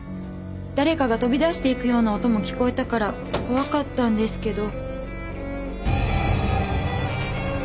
誰かが飛び出していくような音も聞こえたから怖かったんですけど。